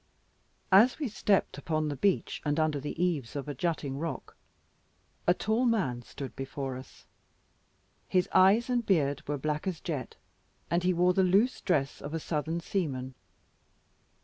As we stepped upon the beach, and under the eaves of a jutting rock, a tall man stood before us. His eyes and beard were black as jet, and he wore the loose dress of a Southern seaman.